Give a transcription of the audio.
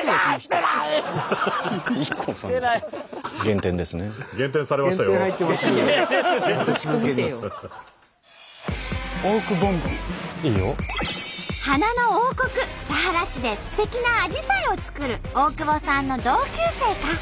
田原市ですてきなアジサイを作る大久保さんの同級生か。